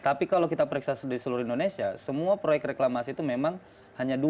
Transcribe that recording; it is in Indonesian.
tapi kalau kita periksa di seluruh indonesia semua proyek reklamasi itu memang hanya dua